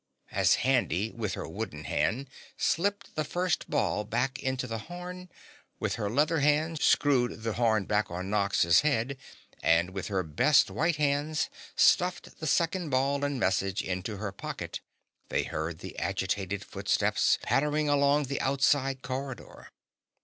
As Handy, with her wooden hand, slipped the first ball back into the horn, with her leather hand screwed the horn back on Nox's head and with one of her best white hands stuffed the second ball and message into her pocket, they heard agitated footsteps pattering along the outside corridor.